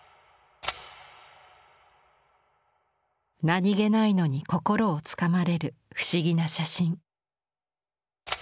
何気ないのに心をつかまれる不思議な写真。